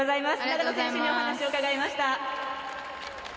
長野選手にお話を伺いました。